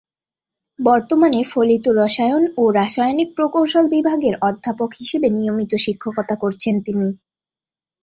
বর্তমানে ফলিত রসায়ন ও রাসায়নিক প্রকৌশল বিভাগের অধ্যাপক হিসেবে নিয়মিত শিক্ষকতা করছেন তিনি।